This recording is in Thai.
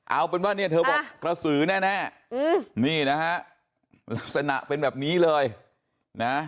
เอาเป็นว่าเนี่ยเธอบอกกระสือแน่นี่นะฮะลักษณะเป็นแบบนี้เลยนะ